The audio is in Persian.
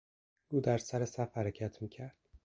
او در سر صف حرکت میکرد.